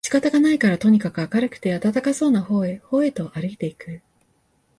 仕方がないからとにかく明るくて暖かそうな方へ方へとあるいて行く